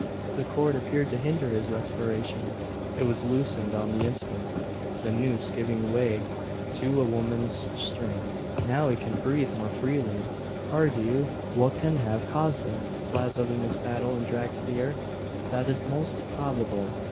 The cord appeared to hinder his respiration. It was loosened on the instant the noose giving way to a Woman's strength. "Now, he can breathe more freely. Pardieu! what can have caused it? Lazoed in his saddle and dragged to the earth? That is most probable.